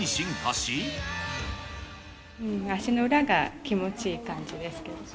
足の裏が気持ちいい感じですけど。